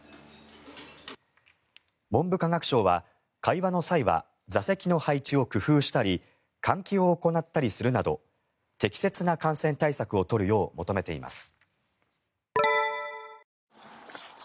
文部科学省は、会話の際は座席の配置を工夫したり換気を行ったりするなど適切な感染対策を取るよう求めています。